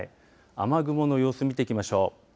雨雲の様子を見ていきましょう。